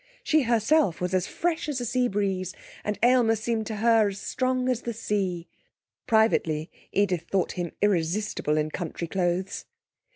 She herself was as fresh as the sea breeze, and Aylmer seemed to her as strong as the sea. (Privately, Edith thought him irresistible in country clothes.)